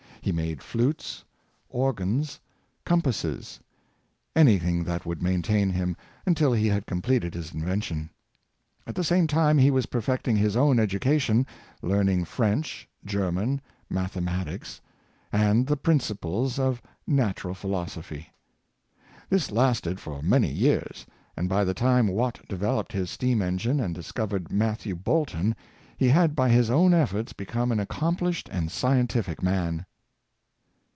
He made flutes, organs, compasses — anything that would maintain him, until he had completed his invention. At the same time he was perfecting his own education — learning French German, mathematics, and the principles of natural philosophy. This lasted for many years; and by the time Watt developed his steam engine and discovered Mathew Boulton, he had by his own efforts, become an accomplished and scientific man.